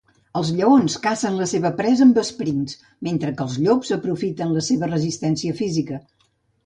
Els lleons cacen la seva presa amb esprints, mentre que els llops aprofiten la seva resistència física.